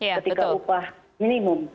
ketika upah minimum